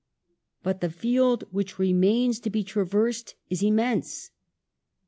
But the field which remains to be traversed is immense.